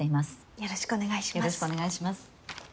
よろしくお願いします。